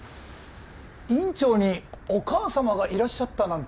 院長にお母様がいらっしゃったなんて。